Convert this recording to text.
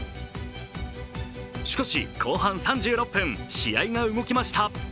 しかし後半３６分、試合が動きました